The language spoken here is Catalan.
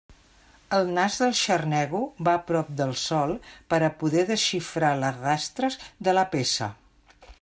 El nas del xarnego va prop del sòl per a poder desxifrar els rastres de la peça.